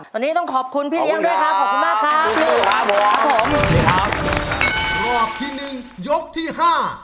ตอนนี้ต้องขอบคุณพี่ยังด้วยค่ะขอบคุณมากค่ะ